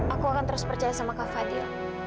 aku akan terus percaya sama kak fadil